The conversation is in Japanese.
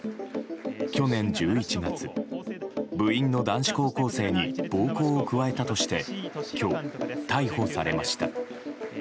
去年１１月、部員の男子高校生に暴行を加えたとして今日、逮捕されました。